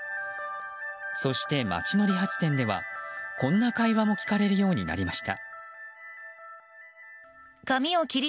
そして街の理髪店ではこんな会話も聞かれるようになりました。